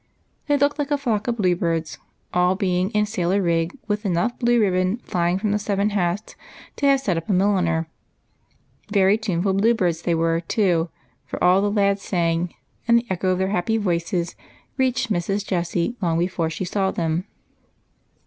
They looked like a flock of blue birds, all being in sailor rig, with blue ribbon enough flying from the seven hats to have set up a 104 EIGHT COUSINS. milliner. Very tuneful blue birds they were, too, for all tlie lads sang, and the echo of their happy voices reached jMrs. Jessie long before she saw them.